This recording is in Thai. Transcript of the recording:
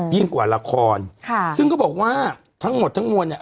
ยิ่งกว่าละครค่ะซึ่งก็บอกว่าทั้งหมดทั้งมวลเนี่ย